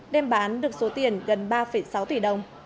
đem bán được số tiền gần ba sáu tỷ đồng